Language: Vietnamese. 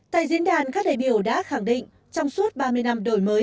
tại diễn đàn các đại biểu đã khẳng định trong suốt ba mươi năm đổi mới